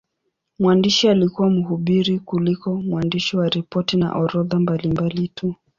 Mwandishi alikuwa mhubiri kuliko mwandishi wa ripoti na orodha mbalimbali tu.